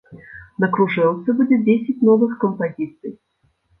На кружэлцы будзе дзесяць новых кампазіцый.